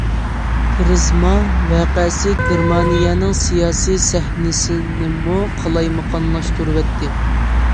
« پىرىزما» ۋەقەسى گېرمانىيەنىڭ سىياسىي سەھنىسىنىمۇ قالايمىقانلاشتۇرۇۋەتتى.